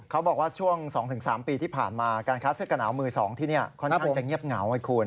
เขาบอกว่าช่วง๒๓ปีที่ผ่านมาการค้าเสื้อกระหนาวมือ๒ที่นี่ค่อนข้างจะเงียบเหงาให้คุณ